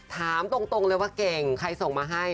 ถามตรงเลยว่าเก่งใครส่งมาให้